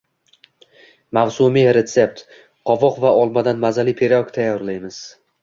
Mavsumiy retsept: qovoq va olmadan mazali pirog tayyorlaymiz